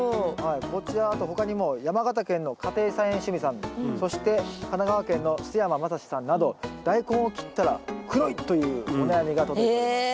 こちらあと他にも山形県の家庭菜園趣味さんそして神奈川県の須山正志さんなどダイコンを切ったら黒いというお悩みが届いております。